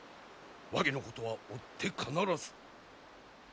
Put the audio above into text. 和議のことは追って必ず。